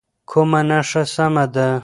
کومه نښه سمه ده؟